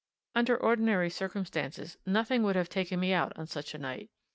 Under ordinary circumstances nothing would have taken me out on such a night.